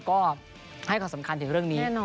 ก็ให้ความสำคัญถึงเรื่องนี้